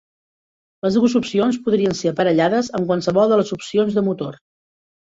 Les dues opcions podrien ser aparellades amb qualsevol de les opcions de motor.